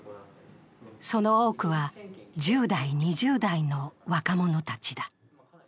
その多くは１０代、２０代の若者たちだ。